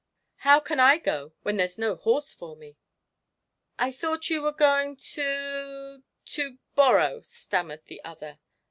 How can I go when there's no horse for me?" "I thought you were going to to borrow," stammered the other.